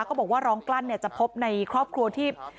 บอกว่าร้องกลั้นจะพบในครอบครัวที่